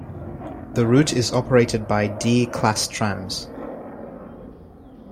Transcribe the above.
The route is operated by D class trams.